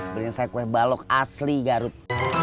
beliin saya kue balok asli garut